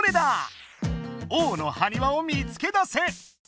王のはにわを見つけ出せ！